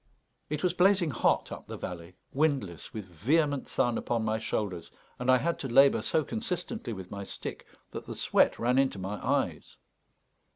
It was blazing hot up the valley, windless, with vehement sun upon my shoulders; and I had to labour so consistently with my stick that the sweat ran into my eyes.